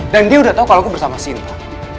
dan dia udah tau kalau aku bersama sinta